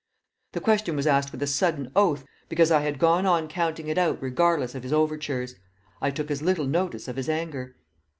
The question was asked with a sudden oath, because I had gone on counting it out regardless of his overtures. I took as little notice of his anger.